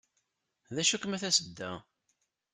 D acu-kem a tasedda?